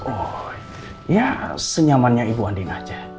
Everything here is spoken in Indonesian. oh ya senyamannya ibu andin aja